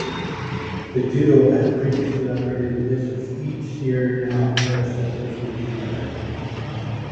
The duo had previously operated the business Eat Here Now Fresh Local Food together.